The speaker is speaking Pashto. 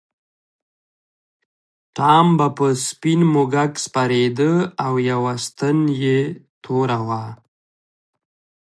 ټام به په سپین موږک سپرېده او یوه ستن یې توره وه.